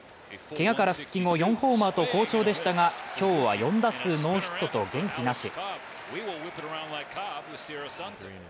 けがから復帰後、４ホーマーと好調でしたが、今日は４打数ノーヒットと元気なし。